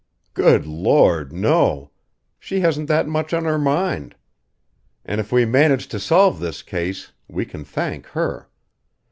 "Good Lord! no! She hasn't that much on her mind. And if we manage to solve this case, we can thank her.